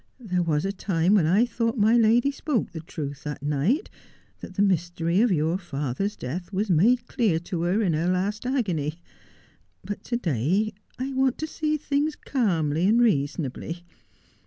There was a time when I thought my lady spoke the truth that night, that the mystery of your father's death was made clear to her in her last agony ; but to day I want to see things calmly and reasonably.